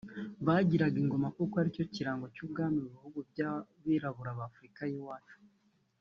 Bagiraga Ingoma kuko ariyo kirango cy’ubwami mu bihugu by’Abirabura ba Afurika iyi yacu